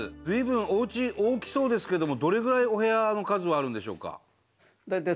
随分おうち大きそうですけどもどれぐらいお部屋の数はあるんでしょうか？